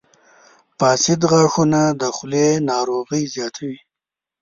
• فاسد غاښونه د خولې ناروغۍ زیاتوي.